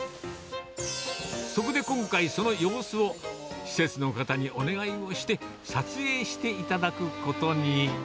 そこで今回、その様子を、施設の方にお願いをして、撮影していただくことに。